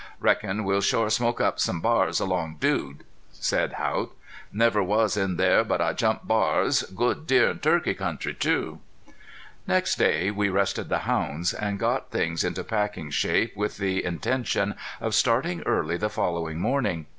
"Reckon we'll shore smoke up some bars along Dude," said Haught. "Never was in there but I jumped bars. Good deer an' turkey country, too." Next day we rested the hounds, and got things into packing shape with the intention of starting early the following morning.